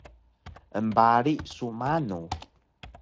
Embarig su manu?